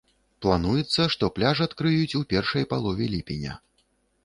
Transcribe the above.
Плануецца, што пляж адкрыюць у першай палове ліпеня.